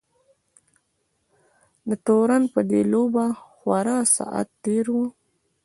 د تورن په دې لوبه خورا ساعت تېر وو.